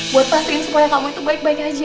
buat pastiin semuanya kamu itu baik baik aja ya